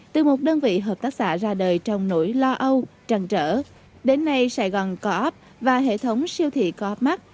từ một đơn vị hợp tác xã ra đời trong nỗi lo âu trần trở đến nay sài gòn co op và hệ thống siêu thị co op mark